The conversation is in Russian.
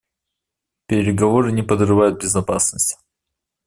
Переговоры не подрывают безопасность.